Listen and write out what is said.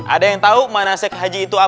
ada yang tau manasik haji itu apa